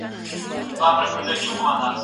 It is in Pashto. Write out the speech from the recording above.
نه پوهېږم ورکه کړې مي ده لاره